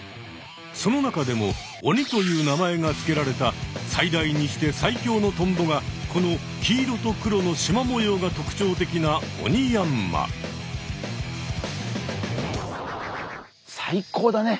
その中でもオニという名前が付けられた最大にして最強のトンボがこの黄色と黒のしま模様が特ちょう的な最高だね。